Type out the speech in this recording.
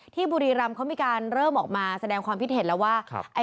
บุรีรำเขามีการเริ่มออกมาแสดงความคิดเห็นแล้วว่า